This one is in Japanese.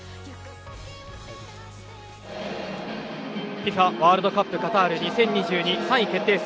ＦＩＦＡワールドカップカタール２０２２３位決定戦。